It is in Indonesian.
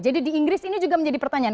jadi di inggris ini juga menjadi pertanyaan